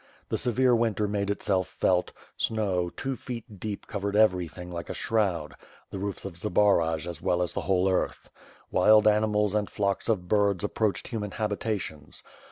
The severe winter made itself felt; snow, two feet deep, covered everything like a shroud, the roofs of Zbaraj as well as the whole earth. Wild animals and flocks of birds approached human habitations.